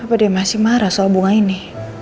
apa dia masih marah soal bunga ini